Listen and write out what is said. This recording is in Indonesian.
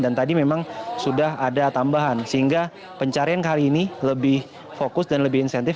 dan tadi memang sudah ada tambahan sehingga pencarian kali ini lebih fokus dan lebih insentif